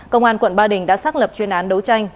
công an quận ba đình đã xác lập chuyên án đấu tranh